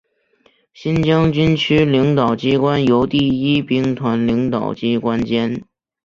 新疆军区领导机关由第一兵团领导机关兼。